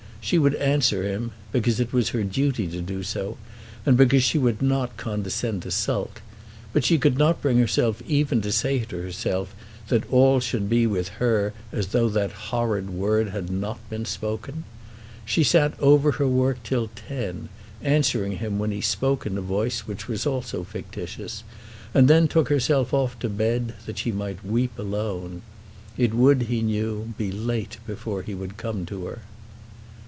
She would answer him, because it was her duty to do so, and because she would not condescend to sulk; but she could not bring herself even to say to herself that all should be with her as though that horrid word had not been spoken. She sat over her work till ten, answering him when he spoke in a voice which was also fictitious, and then took herself off to her bed that she might weep alone. It would, she knew, be late before he would come to her.